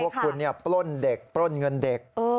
พวกคุณเนี่ยปล้นเด็กปล้นเงินเด็ก